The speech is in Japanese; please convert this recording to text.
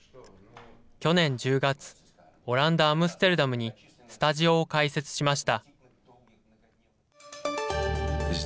去年１０月、オランダ・アムステルダムにスタジオを開設しました。